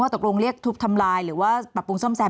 ตกลงเรียกทุบทำลายหรือว่าปรับปรุงซ่อมแซม